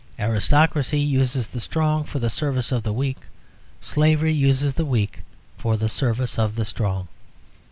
Aristocracy uses the strong for the service of the weak; slavery uses the weak for the service of the strong.